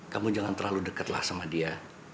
kamu jangan terlalu dekatlah sama dia